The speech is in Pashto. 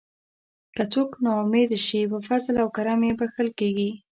که څوک نا امید نشي په فضل او کرم یې بښل کیږي.